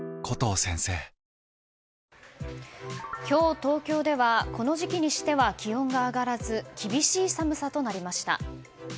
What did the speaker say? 東京ではこの時期にしては気温が上がらず厳しい寒さとなりました。